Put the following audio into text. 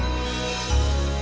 aku bukan lagi pecunda